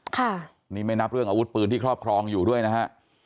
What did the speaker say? ค่ะนี่ไม่นับเรื่องอาวุธปืนที่ครอบครองอยู่ด้วยนะฮะ